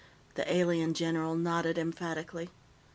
The alien general nodded emphatically.